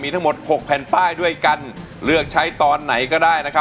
สามแผ่นป้ายด้วยกันเลือกใช้ตอนไหนก็ได้